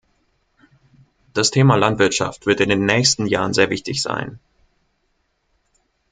Das Thema Landwirtschaft wird in den nächsten Jahren sehr wichtig sein.